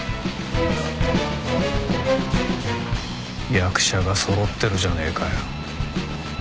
役者がそろってるじゃねえかよ。